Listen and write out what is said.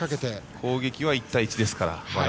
攻撃は１対１ですから。